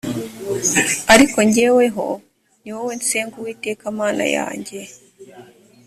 ariko jyeweho ni wowe nsenga uwiteka mana yanjye